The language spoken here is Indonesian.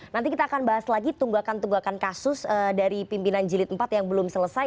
nanti kita akan bahas lagi tunggakan tunggakan kasus dari pimpinan jilid empat yang belum selesai